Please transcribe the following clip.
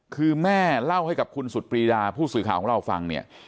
คือแม่เล่าให้กับคุณสุดปรีดาผู้สื่อข่าวของเราฟังเนี่ย